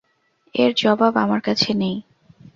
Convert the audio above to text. এর জবাব আমার কাছে নেই।